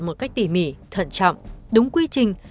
một cách tỉ mỉ thuận trọng đúng quy trình